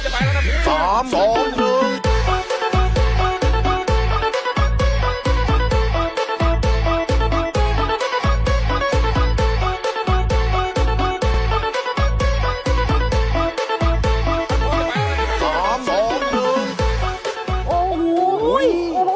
เท่าไหร่รู้จักมัน